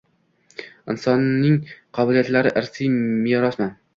Insonning qobiliyatlari irsiy merosmi?